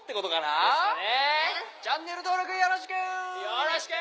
よろしく。